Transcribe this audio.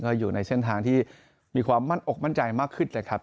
ก็อยู่ในเส้นทางที่มีความมั่นอกมั่นใจมากขึ้นนะครับ